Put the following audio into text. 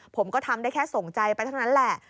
ผมก็ทำได้แค่ส่งใจไปเท่านั้นแหละ